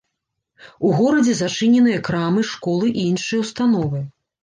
У горадзе зачыненыя крамы, школы і іншыя ўстановы.